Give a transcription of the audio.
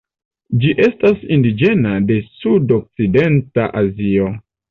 Ĝi estas indiĝena de sudokcidenta Azio.